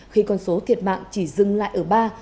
khi con số thiệt mạng chỉ dừng lại ở ba